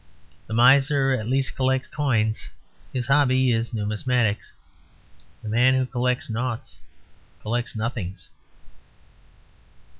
The miser at least collects coins; his hobby is numismatics. The man who collects noughts collects nothings.